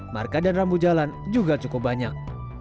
marka dan rambu jalan juga cukup banyak